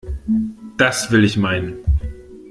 Das will ich meinen!